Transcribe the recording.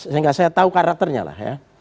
sehingga saya tahu karakternya lah ya